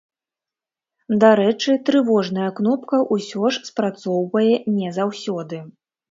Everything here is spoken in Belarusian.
Дарэчы, трывожная кнопка ўсё ж спрацоўвае не заўсёды.